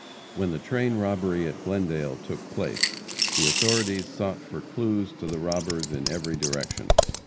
When the train robbery at Glendale took place, the authorities sought for clues to the robbers in every direction.